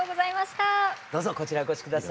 どうぞこちらへお越し下さい。